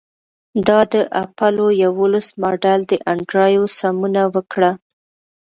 دا د اپولو یوولس ماډل دی انډریو سمونه وکړه